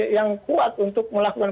yang kuat untuk melakukan